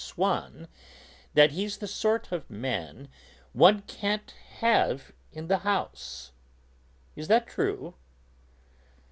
Swann that he's the sort of man one can't have in the house; is that true?"